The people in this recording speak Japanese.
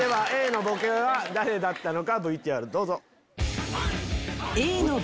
Ａのボケは誰だったのかＶＴＲどうぞ。